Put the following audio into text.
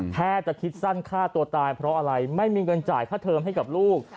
แค่จะคิดสั้นฆ่าตัวตายเพราะอะไรไม่มีเงินจ่ายค่าเทิมให้กับลูก